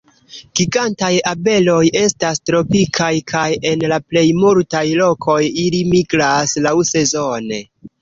Gigantaj abeloj estas tropikaj kaj en la plej multaj lokoj ili migras laŭsezone.